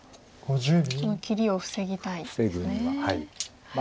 その切りを防ぎたいんですね。